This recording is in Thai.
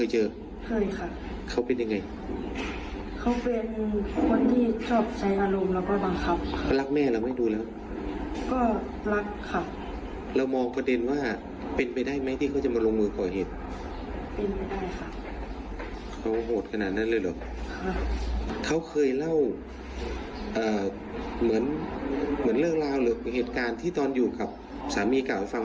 เหมือนเล่าเหลือเหตุการณ์ที่ตอนอยู่กับสามีเก่าให้ฟัง